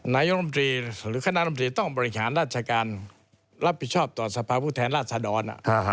นายกรรมตรีหรือคณะรำตรีต้องบริหารราชการรับผิดชอบต่อสภาพผู้แทนราชดร